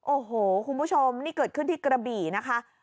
โอ้โหคุณผู้ชมนี่เกิดขึ้นที่กระบี่นะคะ